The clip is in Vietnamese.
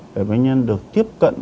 để bệnh nhân được tiếp cận